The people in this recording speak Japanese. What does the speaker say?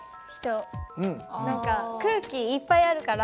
何か空気いっぱいあるから。